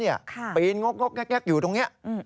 ปีนงกแก๊กอยู่ตรงนี้